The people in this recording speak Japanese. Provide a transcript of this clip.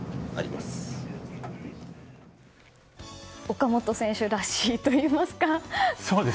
岡本選手らしいといいますか。